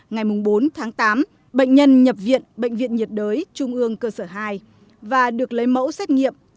ngày bốn tháng tám bệnh nhân nhập viện bệnh viện nhiệt đới trung ương cơ sở hai và được lấy mẫu xét nghiệm